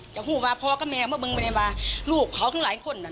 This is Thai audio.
อย่างคือว่าพ่อกับแม่มันเป็นว่าลูกเขาทั้งหลายคน